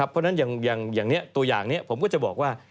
เพราะฉะนั้นตัวอย่างนี้ผมก็จะบอกว่า